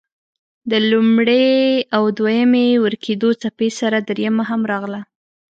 د لومړۍ او دویمې ورکېدو څپې سره دريمه هم راغله.